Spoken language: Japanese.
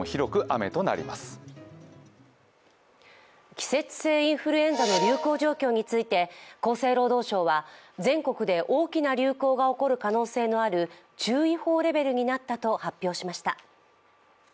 季節性インフルエンザの流行状況について厚生労働省は、全国で大きな流行の起こる可能性のある注意報レベルになったと発表しました。